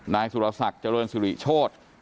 นายสุรสัตว์เจริญสอิฉด